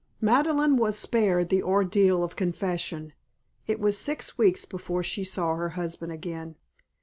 VI Madeleine was spared the ordeal of confession; it was six weeks before she saw her husband again.